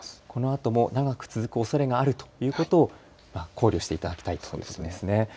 この後も長く続くおそれがあるということを考慮していただきたいということですね。